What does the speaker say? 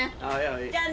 じゃあね。